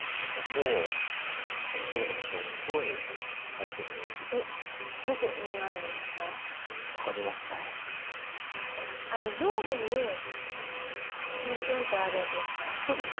えっあの上下にちょんちょんってあるやつですか？